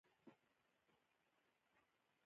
هغه لیکي چې په دربار کې دوه ډوله ډوډۍ وه.